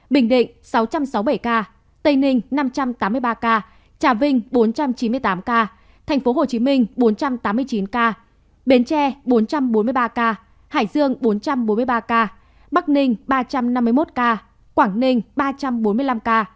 bình định sáu trăm sáu mươi bảy ca tây ninh năm trăm tám mươi ba ca trà vinh bốn trăm chín mươi tám ca tp hcm bốn trăm tám mươi chín ca bến tre bốn trăm bốn mươi ba ca hải dương bốn trăm bốn mươi ba ca bắc ninh ba trăm năm mươi một ca quảng ninh ba trăm bốn mươi năm ca